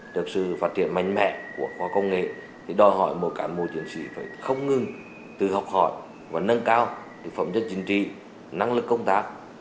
được sự phát triển mạnh mẽ của khoa công nghệ đòi hỏi một cản mô chiến sĩ phải không ngừng từ học hỏi và nâng cao phẩm chất chính trị năng lực công tác